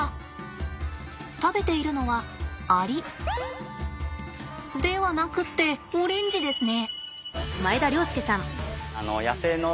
食べているのはアリではなくってオレンジですね。